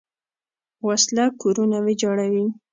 وسله کورونه ویجاړوي